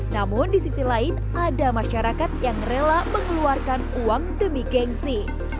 namun di sisi lain ada masyarakat yang rela mengeluarkan uang demi gengsi